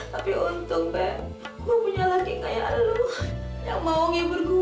tapi untung be gue punya laki kayak lo yang mau nghibur gue be